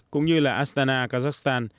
cũng như là astana kazakhstan